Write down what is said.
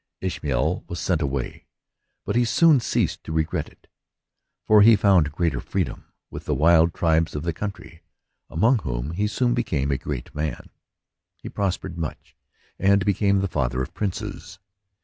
Ishmael was sent away, but he soon ceased to regret it ; for he found greater freedom with the wild tribes of the country, among whom he soon TJu Parting. 31 became a great man. He prospered much, and became the father of princes.